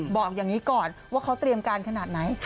บอกอย่างนี้ก่อนว่าเขาเตรียมการขนาดไหน